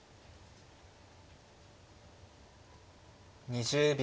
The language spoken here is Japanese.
２０秒。